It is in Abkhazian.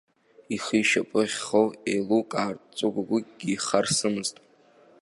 Ихы ишьапы ахьхоу еилукаартә ҵәыгәыгәыкгьы ихарсымызт.